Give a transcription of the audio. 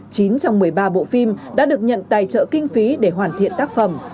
chín trong một mươi ba bộ phim đã được nhận tài trợ kinh phí để hoàn thiện tác phẩm